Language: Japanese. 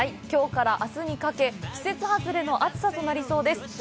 きょうからあすにかけ、季節外れの暑さとなりそうです。